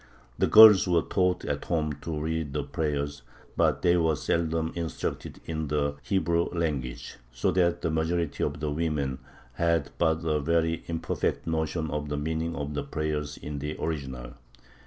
The girls were taught at home to read the prayers, but they were seldom instructed in the Hebrew language, so that the majority of women had but a very imperfect notion of the meaning of the prayers in the original.